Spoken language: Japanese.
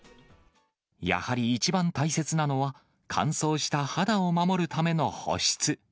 やはり一番大切なのは、乾燥した肌を守るための保湿。